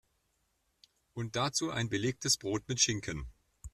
Und dazu ein belegtes Brot mit Schinken.